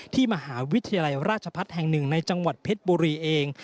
ที่มหาวิทยาลัยราชพัฒน์แห่งหนึ่งในจังหวัดเพชรบุรีเอง